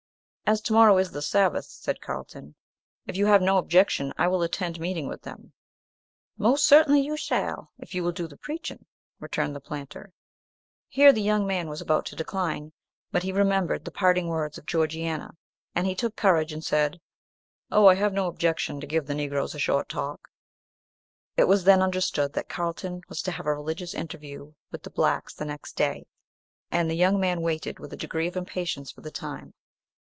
"As to morrow is the Sabbath," said Carlton, "if you have no objection, I will attend meeting with them." "Most certainly you shall, if you will do the preaching," returned the planter. Here the young man was about to decline, but he remembered the parting words of Georgiana, and he took courage and said, "Oh, I have no objection to give the Negroes a short talk." It was then understood that Carlton was to have a religious interview with the blacks the next day, and the young man waited with a degree of impatience for the time.